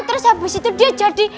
terus habis itu dia jadi